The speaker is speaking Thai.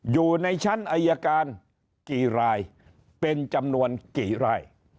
อยู่ในชั้นอายการกี่รายเป็นจำนวนกี่ราย